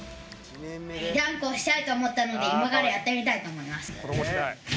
ダンクをしたいと思ったので今からやってみたいと思います。